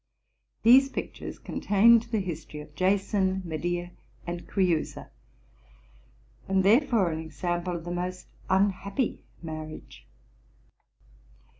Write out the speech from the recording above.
These pictures contained the history of Jason, Medea, and Creusa, and therefore an example of the most unhappy marriage.